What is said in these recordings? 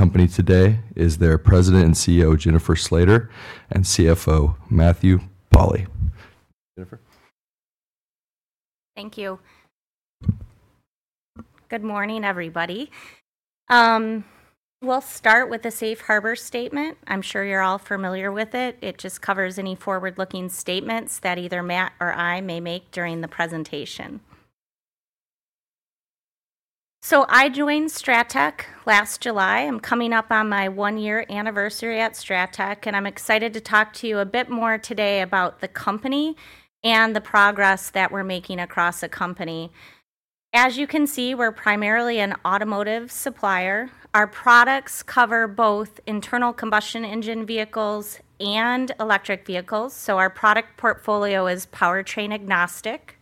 Company today is their President and CEO, Jennifer Slater, and CFO, Matthew Pauli. Jennifer? Thank you. Good morning, everybody. We'll start with the Safe Harbor statement. I'm sure you're all familiar with it. It just covers any forward-looking statements that either Matt or I may make during the presentation. I joined Strattec last July. I'm coming up on my one-year anniversary at Strattec, and I'm excited to talk to you a bit more today about the company and the progress that we're making across the company. As you can see, we're primarily an automotive supplier. Our products cover both internal combustion engine vehicles and electric vehicles, so our product portfolio is powertrain agnostic.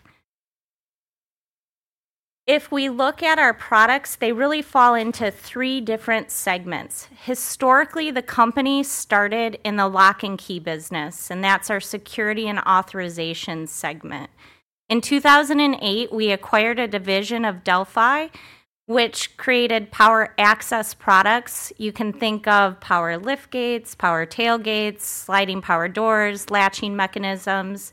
If we look at our products, they really fall into three different segments. Historically, the company started in the lock and key business, and that's our security and authorization segment. In 2008, we acquired a division of Delphi, which created power access products. You can think of power liftgates, power tailgates, sliding power doors, latching mechanisms.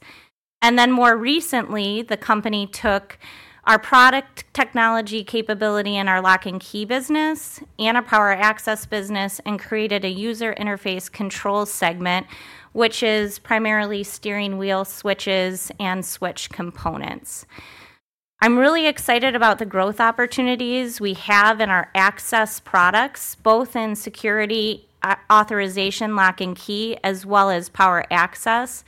More recently, the company took our product technology capability in our lock and key business and our power access business and created a user interface control segment, which is primarily steering wheel switches and switch components. I'm really excited about the growth opportunities we have in our access products, both in security authorization, lock and key, as well as power access.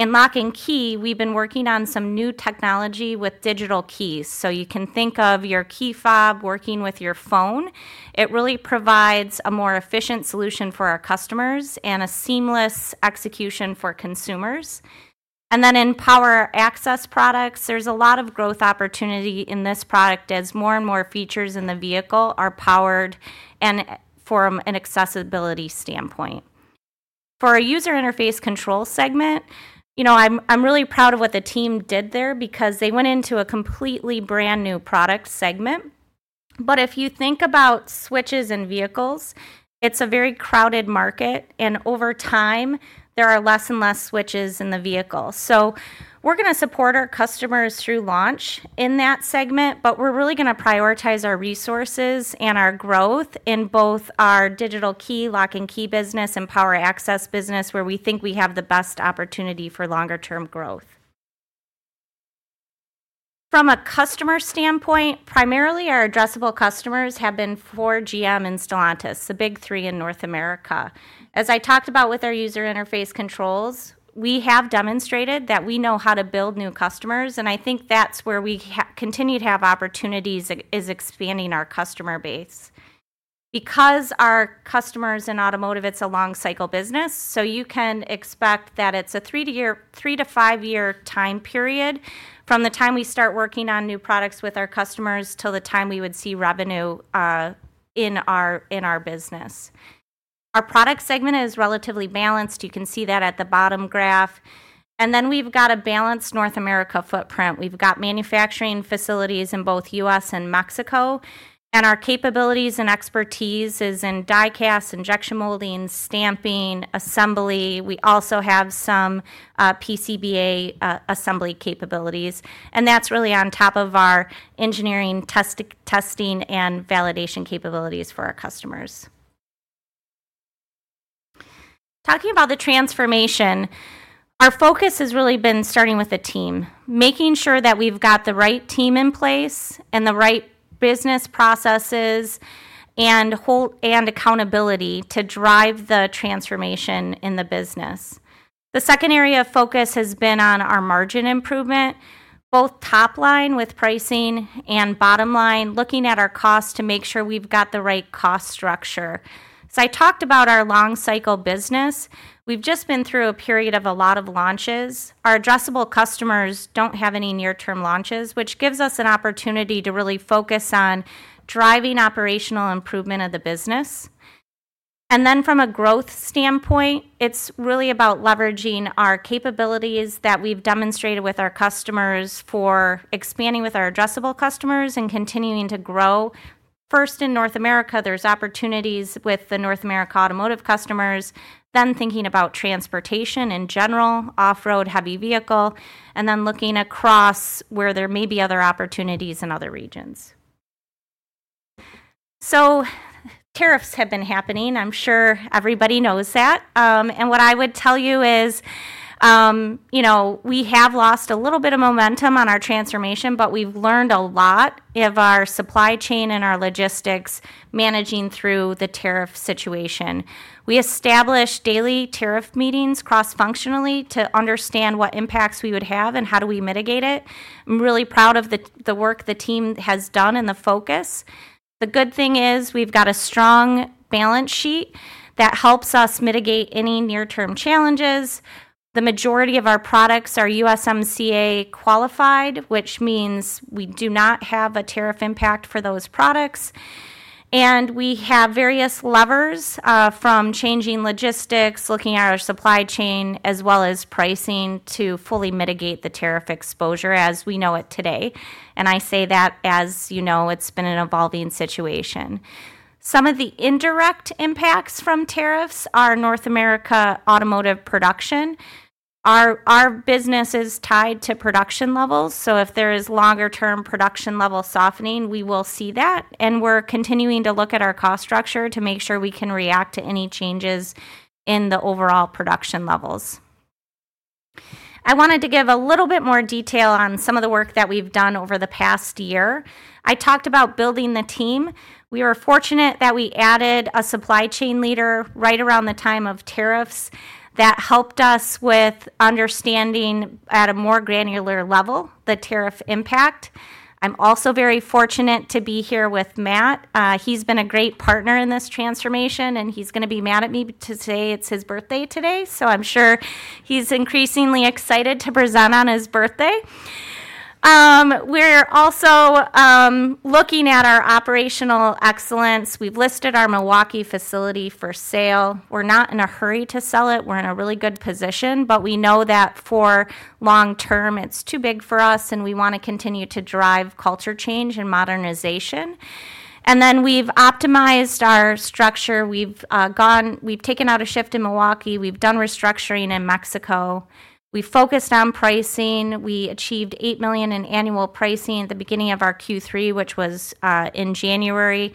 In lock and key, we've been working on some new technology with digital keys. You can think of your key fob working with your phone. It really provides a more efficient solution for our customers and a seamless execution for consumers. In power access products, there's a lot of growth opportunity in this product as more and more features in the vehicle are powered and from an accessibility standpoint. For our user interface control segment, you know, I'm really proud of what the team did there because they went into a completely brand-new product segment. If you think about switches in vehicles, it's a very crowded market, and over time, there are less and less switches in the vehicle. We're gonna support our customers through launch in that segment, but we're really gonna prioritize our resources and our growth in both our digital key, lock and key business, and power access business, where we think we have the best opportunity for longer-term growth. From a customer standpoint, primarily our addressable customers have been Ford, GM, and Stellantis, the big three in North America. As I talked about with our user interface controls, we have demonstrated that we know how to build new customers, and I think that's where we continue to have opportunities is expanding our customer base. Because our customers in automotive, it's a long-cycle business, so you can expect that it's a three-five year time period from the time we start working on new products with our customers to the time we would see revenue in our business. Our product segment is relatively balanced. You can see that at the bottom graph. We have a balanced North America footprint. We have manufacturing facilities in both U.S. and Mexico, and our capabilities and expertise is in die cast, injection molding, stamping, assembly. We also have some PCBA assembly capabilities, and that's really on top of our engineering testing and validation capabilities for our customers. Talking about the transformation, our focus has really been starting with the team, making sure that we've got the right team in place and the right business processes and accountability to drive the transformation in the business. The second area of focus has been on our margin improvement, both top line with pricing and bottom line, looking at our cost to make sure we've got the right cost structure. I talked about our long-cycle business. We've just been through a period of a lot of launches. Our addressable customers don't have any near-term launches, which gives us an opportunity to really focus on driving operational improvement of the business. From a growth standpoint, it's really about leveraging our capabilities that we've demonstrated with our customers for expanding with our addressable customers and continuing to grow. First in North America, there are opportunities with the North America automotive customers, then thinking about transportation in general, off-road heavy vehicle, and then looking across where there may be other opportunities in other regions. Tariffs have been happening. I'm sure everybody knows that. What I would tell you is, you know, we have lost a little bit of momentum on our transformation, but we've learned a lot about our supply chain and our logistics managing through the tariff situation. We established daily tariff meetings cross-functionally to understand what impacts we would have and how do we mitigate it. I'm really proud of the work the team has done and the focus. The good thing is we've got a strong balance sheet that helps us mitigate any near-term challenges. The majority of our products are USMCA qualified, which means we do not have a tariff impact for those products. We have various levers from changing logistics, looking at our supply chain as well as pricing to fully mitigate the tariff exposure as we know it today. I say that as, you know, it's been an evolving situation. Some of the indirect impacts from tariffs are North America automotive production. Our business is tied to production levels, so if there is longer-term production level softening, we will see that. We're continuing to look at our cost structure to make sure we can react to any changes in the overall production levels. I wanted to give a little bit more detail on some of the work that we've done over the past year. I talked about building the team. We were fortunate that we added a supply chain leader right around the time of tariffs that helped us with understanding at a more granular level the tariff impact. I'm also very fortunate to be here with Matt. He's been a great partner in this transformation, and he's gonna be mad at me to say it's his birthday today, so I'm sure he's increasingly excited to present on his birthday. We're also looking at our operational excellence. We've listed our Milwaukee facility for sale. We're not in a hurry to sell it. We're in a really good position, but we know that for long-term, it's too big for us, and we wanna continue to drive culture change and modernization. We have optimized our structure. We've taken out a shift in Milwaukee. We've done restructuring in Mexico. We focused on pricing. We achieved $8 million in annual pricing at the beginning of our Q3, which was in January.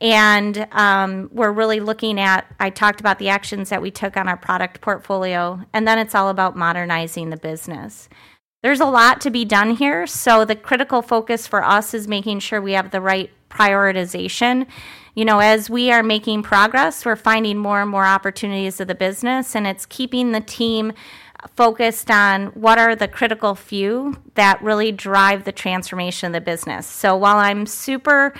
We are really looking at, I talked about the actions that we took on our product portfolio, and then it is all about modernizing the business. There is a lot to be done here, so the critical focus for us is making sure we have the right prioritization. You know, as we are making progress, we are finding more and more opportunities to the business, and it is keeping the team focused on what are the critical few that really drive the transformation of the business. While I am super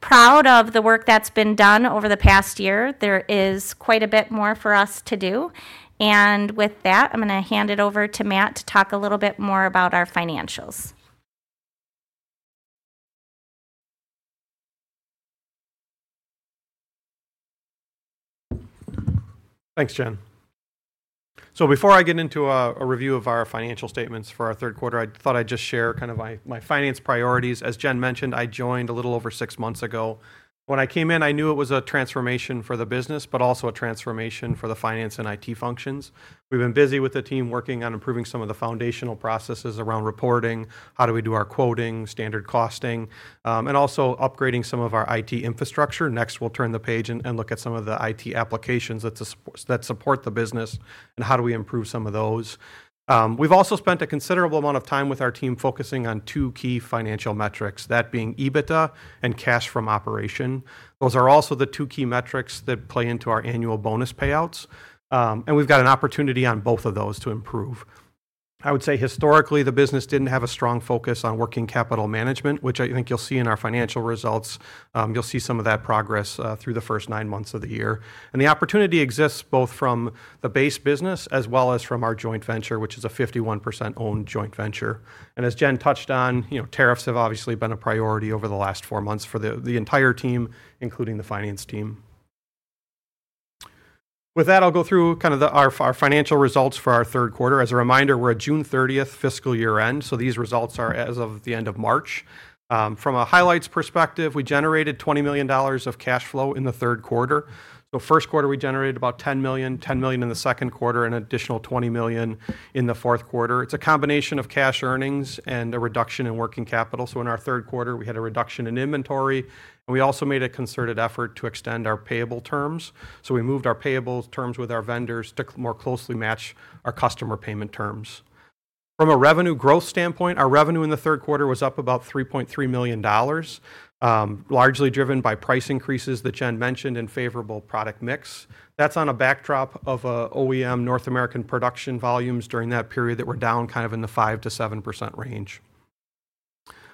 proud of the work that has been done over the past year, there is quite a bit more for us to do. With that, I am gonna hand it over to Matt to talk a little bit more about our financials. Thanks, Jen. Before I get into a review of our financial statements for our third quarter, I thought I'd just share kind of my finance priorities. As Jen mentioned, I joined a little over six months ago. When I came in, I knew it was a transformation for the business, but also a transformation for the finance and IT functions. We've been busy with the team working on improving some of the foundational processes around reporting, how do we do our quoting, standard costing, and also upgrading some of our IT infrastructure. Next, we'll turn the page and look at some of the IT applications that support the business and how do we improve some of those. We've also spent a considerable amount of time with our team focusing on two key financial metrics, that being EBITDA and cash from operation. Those are also the two key metrics that play into our annual bonus payouts. We have got an opportunity on both of those to improve. I would say historically, the business did not have a strong focus on working capital management, which I think you will see in our financial results. You will see some of that progress through the first nine months of the year. The opportunity exists both from the base business as well as from our joint venture, which is a 51% owned joint venture. As Jen touched on, you know, tariffs have obviously been a priority over the last four months for the entire team, including the finance team. With that, I will go through kind of our financial results for our third quarter. As a reminder, we are at June 30th fiscal year end, so these results are as of the end of March. From a highlights perspective, we generated $20 million of cash flow in the third quarter. First quarter, we generated about $10 million, $10 million in the second quarter, and an additional $20 million in the fourth quarter. It's a combination of cash earnings and a reduction in working capital. In our third quarter, we had a reduction in inventory, and we also made a concerted effort to extend our payable terms. We moved our payable terms with our vendors to more closely match our customer payment terms. From a revenue growth standpoint, our revenue in the third quarter was up about $3.3 million, largely driven by price increases that Jen mentioned and favorable product mix. That's on a backdrop of OEM North American production volumes during that period that were down kind of in the 5-7% range.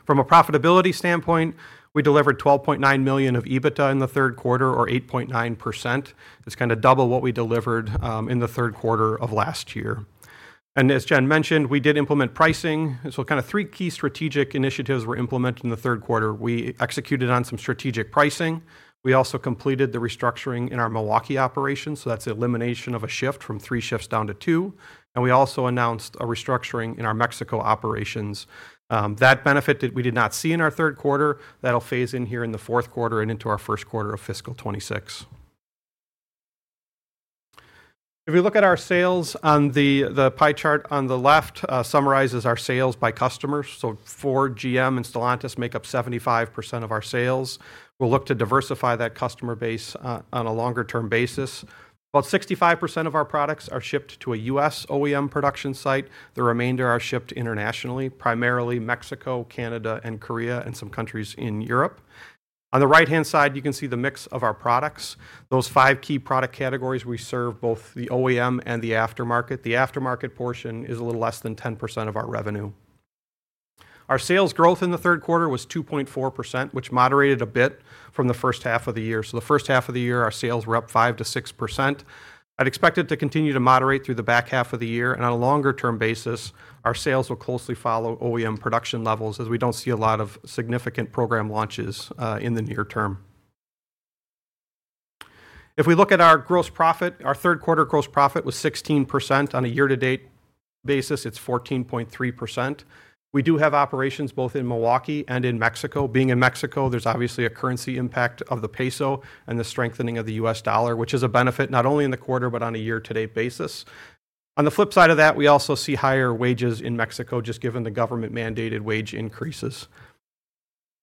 From a profitability standpoint, we delivered $12.9 million of EBITDA in the third quarter, or 8.9%. It's kind of double what we delivered in the third quarter of last year. As Jen mentioned, we did implement pricing. Kind of three key strategic initiatives were implemented in the third quarter. We executed on some strategic pricing. We also completed the restructuring in our Milwaukee operations. That's the elimination of a shift from three shifts down to two. We also announced a restructuring in our Mexico operations. That benefit that we did not see in our third quarter, that'll phase in here in the fourth quarter and into our first quarter of fiscal 2026. If you look at our sales on the pie chart on the left, it summarizes our sales by customers. Ford, GM, and Stellantis make up 75% of our sales. We'll look to diversify that customer base on a longer-term basis. About 65% of our products are shipped to a U.S. OEM production site. The remainder are shipped internationally, primarily Mexico, Canada, and Korea, and some countries in Europe. On the right-hand side, you can see the mix of our products. Those five key product categories we serve both the OEM and the aftermarket. The aftermarket portion is a little less than 10% of our revenue. Our sales growth in the third quarter was 2.4%, which moderated a bit from the first half of the year. The first half of the year, our sales were up 5%-6%. I'd expect it to continue to moderate through the back half of the year. On a longer-term basis, our sales will closely follow OEM production levels as we do not see a lot of significant program launches in the near term. If we look at our gross profit, our third quarter gross profit was 16%. On a year-to-date basis, it is 14.3%. We do have operations both in Milwaukee and in Mexico. Being in Mexico, there is obviously a currency impact of the peso and the strengthening of the U.S. dollar, which is a benefit not only in the quarter but on a year-to-date basis. On the flip side of that, we also see higher wages in Mexico just given the government-mandated wage increases.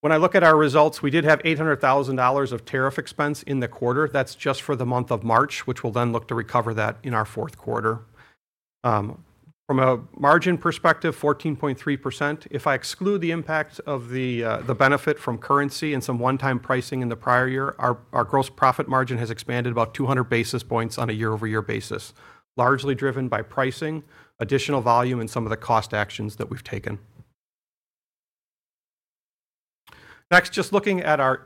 When I look at our results, we did have $800,000 of tariff expense in the quarter. That is just for the month of March, which we will then look to recover in our fourth quarter. From a margin perspective, 14.3%. If I exclude the impact of the benefit from currency and some one-time pricing in the prior year, our gross profit margin has expanded about 200 basis points on a year-over-year basis, largely driven by pricing, additional volume, and some of the cost actions that we've taken. Next, just looking at our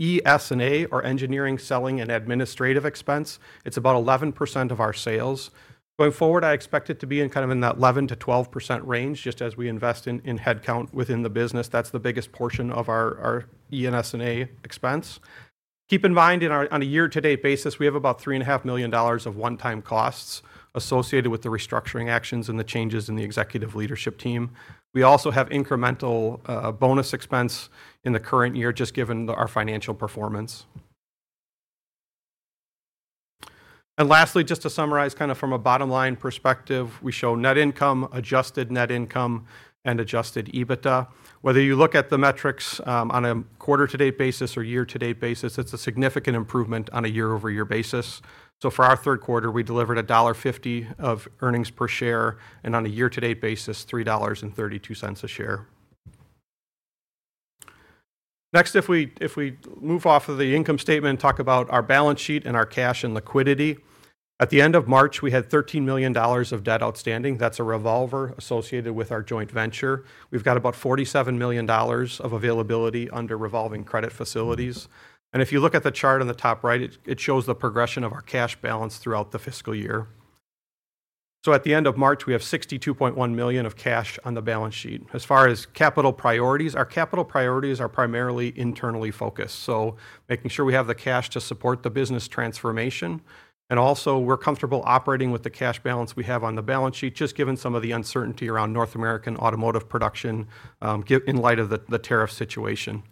ES&A, or engineering, selling, and administrative expense, it's about 11% of our sales. Going forward, I expect it to be in kind of in that 11-12% range, just as we invest in headcount within the business. That's the biggest portion of our ES&A expense. Keep in mind, on a year-to-date basis, we have about $3.5 million of one-time costs associated with the restructuring actions and the changes in the executive leadership team. We also have incremental bonus expense in the current year, just given our financial performance. Lastly, just to summarize kind of from a bottom-line perspective, we show net income, adjusted net income, and adjusted EBITDA. Whether you look at the metrics on a quarter-to-date basis or year-to-date basis, it's a significant improvement on a year-over-year basis. For our third quarter, we delivered $1.50 of earnings per share, and on a year-to-date basis, $3.32 a share. Next, if we move off of the income statement and talk about our balance sheet and our cash and liquidity, at the end of March, we had $13 million of debt outstanding. That's a revolver associated with our joint venture. We've got about $47 million of availability under revolving credit facilities. If you look at the chart on the top right, it shows the progression of our cash balance throughout the fiscal year. At the end of March, we have $62.1 million of cash on the balance sheet. As far as capital priorities, our capital priorities are primarily internally focused, making sure we have the cash to support the business transformation. Also, we're comfortable operating with the cash balance we have on the balance sheet, just given some of the uncertainty around North American automotive production in light of the tariff situation.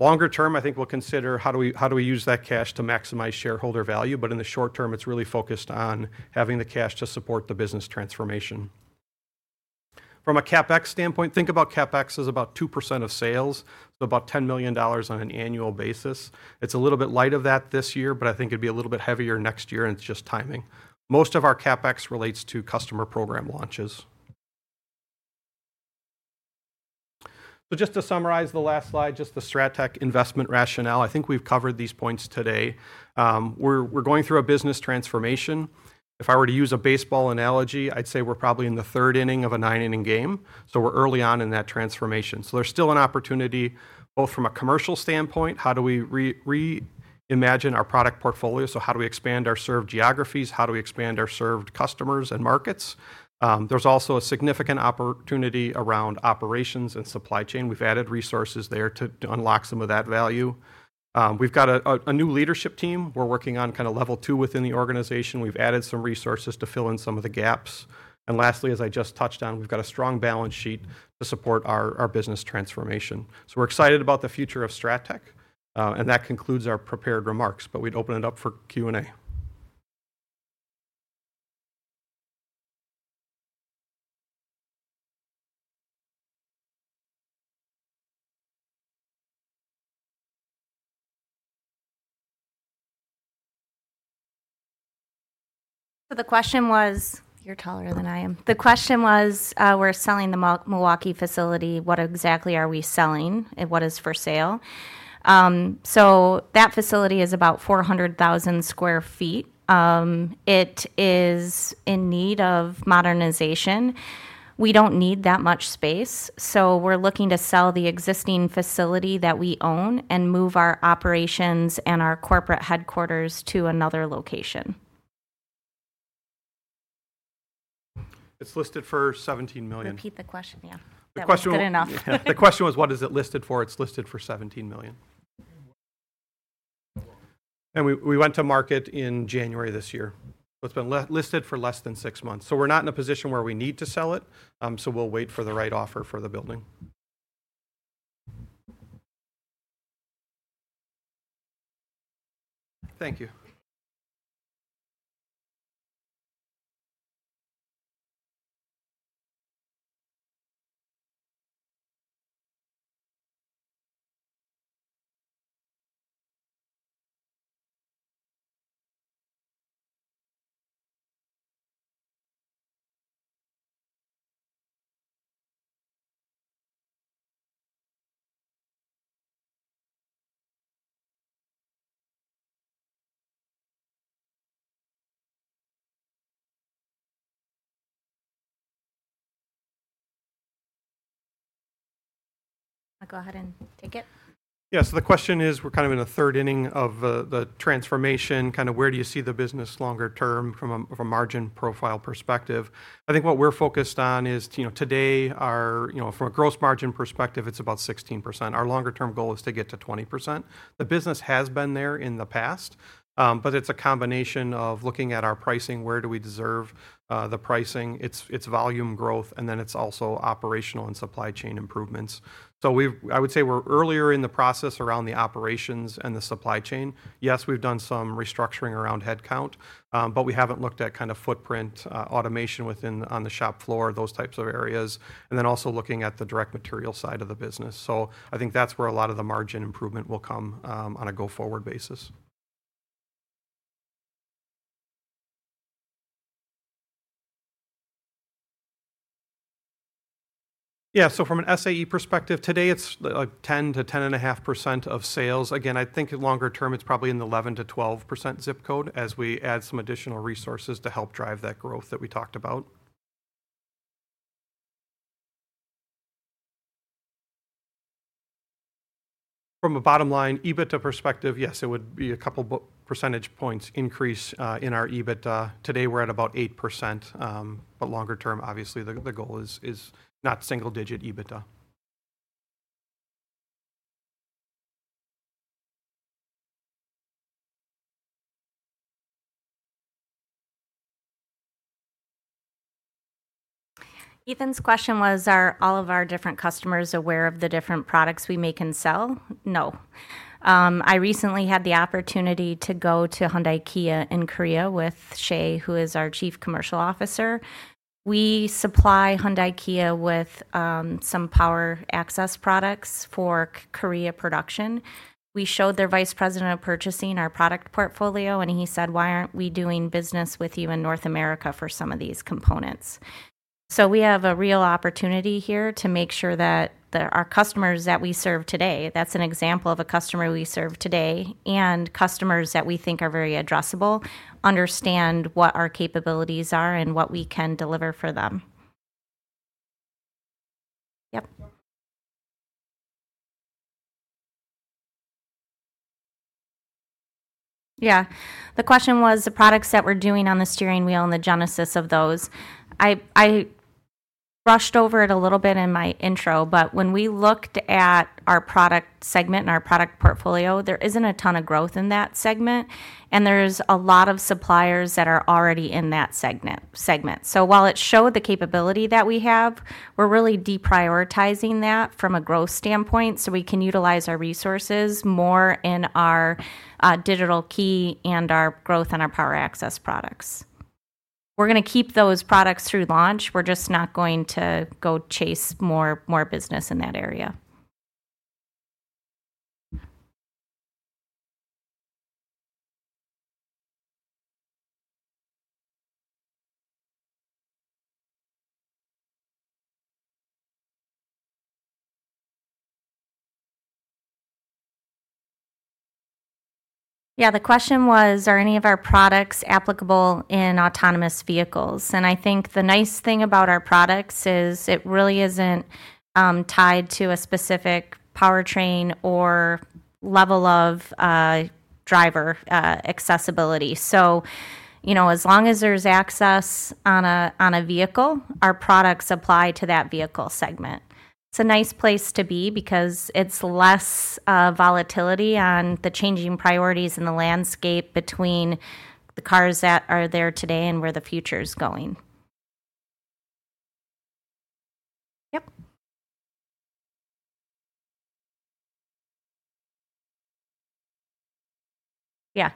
Longer term, I think we'll consider how we use that cash to maximize shareholder value, but in the short term, it's really focused on having the cash to support the business transformation. From a CapEx standpoint, think about CapEx as about 2% of sales, so about $10 million on an annual basis. It's a little bit light of that this year, but I think it'd be a little bit heavier next year, and it's just timing. Most of our CapEx relates to customer program launches. Just to summarize the last slide, just the Strattec investment rationale, I think we've covered these points today. We're going through a business transformation. If I were to use a baseball analogy, I'd say we're probably in the third inning of a nine-inning game. We're early on in that transformation. There's still an opportunity, both from a commercial standpoint, how do we reimagine our product portfolio? How do we expand our served geographies? How do we expand our served customers and markets? There's also a significant opportunity around operations and supply chain. We've added resources there to unlock some of that value. We've got a new leadership team. We're working on kind of level two within the organization. We've added some resources to fill in some of the gaps. Lastly, as I just touched on, we've got a strong balance sheet to support our business transformation. We're excited about the future of Strattec. That concludes our prepared remarks, but we'd open it up for Q&A. The question was, you're taller than I am. The question was, we're selling the Milwaukee facility. What exactly are we selling and what is for sale? That facility is about 400,000 sq ft. It is in need of modernization. We don't need that much space, so we're looking to sell the existing facility that we own and move our operations and our corporate headquarters to another location. It's listed for $17 million. Repeat the question, yeah. Good enough. The question was, what is it listed for? It's listed for $17 million. We went to market in January this year. It has been listed for less than six months. We are not in a position where we need to sell it, so we will wait for the right offer for the building. Thank you. I'll go ahead and take it. Yeah, so the question is, we're kind of in a third inning of the transformation. Kind of where do you see the business longer term from a margin profile perspective? I think what we're focused on is, you know, today, from a gross margin perspective, it's about 16%. Our longer-term goal is to get to 20%. The business has been there in the past, but it's a combination of looking at our pricing, where do we deserve the pricing, its volume growth, and then it's also operational and supply chain improvements. I would say we're earlier in the process around the operations and the supply chain. Yes, we've done some restructuring around headcount, but we haven't looked at kind of footprint automation within on the shop floor, those types of areas, and then also looking at the direct material side of the business. I think that's where a lot of the margin improvement will come on a go-forward basis. Yeah, from an ES&A perspective, today, it's like 10%-10.5% of sales. Again, I think longer term, it's probably in the 11%-12% zip code as we add some additional resources to help drive that growth that we talked about. From a bottom-line, EBITDA perspective, yes, it would be a couple percentage points increase in our EBITDA. Today, we're at about 8%, but longer term, obviously, the goal is not single-digit EBITDA. Ethan's question was, are all of our different customers aware of the different products we make and sell? No. I recently had the opportunity to go to Hyundai Kia in Korea with Shay, who is our Chief Commercial Officer. We supply Hyundai Kia with some power access products for Korea production. We showed their Vice President of Purchasing our product portfolio, and he said, "Why aren't we doing business with you in North America for some of these components?" We have a real opportunity here to make sure that our customers that we serve today, that's an example of a customer we serve today, and customers that we think are very addressable, understand what our capabilities are and what we can deliver for them. Yep. Yeah. The question was the products that we're doing on the steering wheel and the genesis of those. I brushed over it a little bit in my intro, but when we looked at our product segment and our product portfolio, there isn't a ton of growth in that segment, and there's a lot of suppliers that are already in that segment. While it showed the capability that we have, we're really deprioritizing that from a growth standpoint so we can utilize our resources more in our digital key and our growth and our power access products. We're going to keep those products through launch. We're just not going to go chase more business in that area. Yeah, the question was, are any of our products applicable in autonomous vehicles? I think the nice thing about our products is it really isn't tied to a specific powertrain or level of driver accessibility. As long as there's access on a vehicle, our products apply to that vehicle segment. It's a nice place to be because it's less volatility on the changing priorities in the landscape between the cars that are there today and where the future is going. Yeah.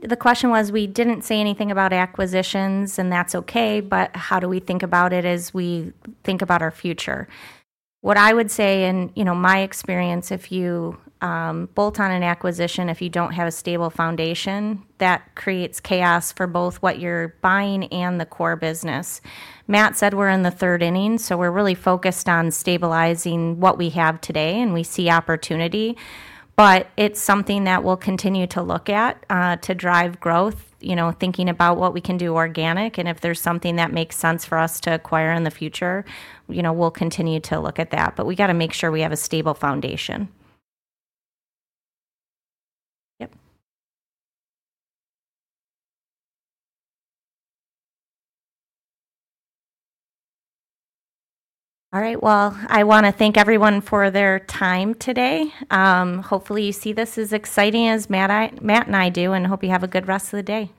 The question was, we didn't say anything about acquisitions, and that's okay, but how do we think about it as we think about our future? What I would say in my experience, if you bolt on an acquisition, if you don't have a stable foundation, that creates chaos for both what you're buying and the core business. Matt said we're in the third inning, so we're really focused on stabilizing what we have today, and we see opportunity, but it's something that we'll continue to look at to drive growth, thinking about what we can do organic, and if there's something that makes sense for us to acquire in the future, we'll continue to look at that, but we got to make sure we have a stable foundation. Yep. All right, I want to thank everyone for their time today. Hopefully, you see this as exciting as Matt and I do, and hope you have a good rest of the day.